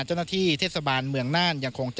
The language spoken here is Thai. เจ้าหน้าที่เทศบาลเรืองนาน